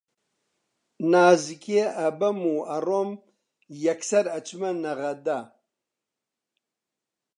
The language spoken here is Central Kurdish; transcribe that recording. نازکێ ئەبەم و ئەڕۆم یەکسەر ئەچمە نەغەدە